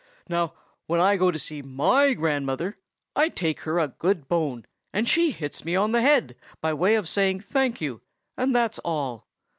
Now, when I go to see my grandmother, I take her a good bone, and she hits me on the head by way of saying thank you, and that's all.